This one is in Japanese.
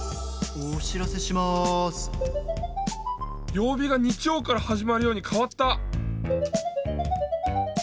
曜日が日曜からはじまるようにかわった。